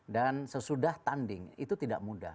dan sesudah tanding itu tidak mudah